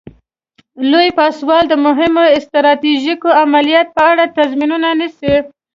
لوی پاسوال د مهمو ستراتیژیکو عملیاتو په اړه تصمیمونه نیسي.